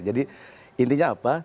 jadi intinya apa